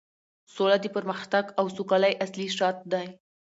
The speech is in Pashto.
سوله د پرمختګ او سوکالۍ اصلي شرط دی